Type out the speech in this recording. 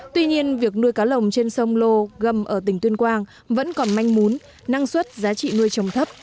tuy nhiên việc nuôi cá lồng trên sông lô gâm ở tỉnh tuyên quang vẫn còn manh mún năng suất giá trị nuôi trồng thấp